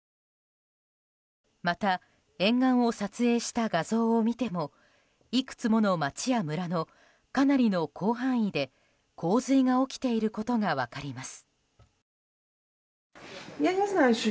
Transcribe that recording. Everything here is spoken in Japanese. また沿岸を撮影した画像を見てもいくつもの街や村のかなりの広範囲で洪水が起きていることが分かります。